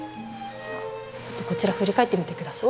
ちょっとこちら振り返ってみて下さい。